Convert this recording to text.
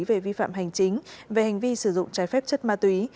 về vi phạm hành chính về hành vi sử dụng trái phép chất ma túy